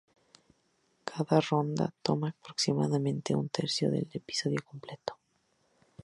Cada ronda toma aproximadamente un tercio del episodio completo.